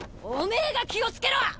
おめぇが気をつけろ！